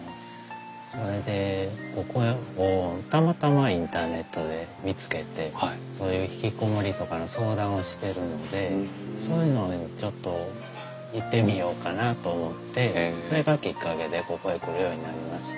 それでここをたまたまインターネットで見つけてそういう引きこもりとかの相談をしてるんでそういうのちょっと行ってみようかなと思ってそれがきっかけでここへ来るようになりました。